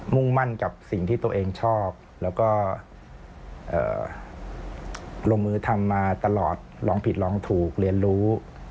่งมั่นกับสิ่งที่ตัวเองชอบแล้วก็ลงมือทำมาตลอดลองผิดลองถูกเรียนรู้